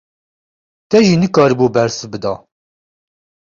Te jî nikaribû bersiv bida!